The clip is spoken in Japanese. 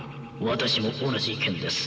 私も同じ意見です。